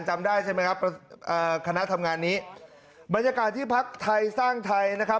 จำได้ใช่ไหมครับอ่าคณะทำงานนี้บรรยากาศที่พักไทยสร้างไทยนะครับ